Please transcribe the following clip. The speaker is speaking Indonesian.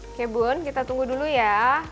oke bun kita tunggu dulu ya